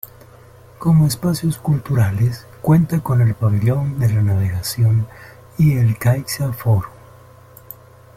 Como espacios culturales, cuenta con el pabellón de la Navegación y el CaixaForum.